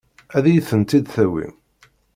Ad iyi-tent-id-tawim?